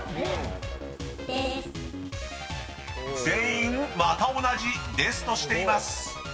［全員また同じデスとしています］